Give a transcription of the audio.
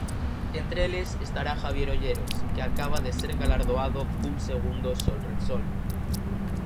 Entre eles estará Javier Olleros, que acaba de ser galardoado cun segundo Sol Repsol.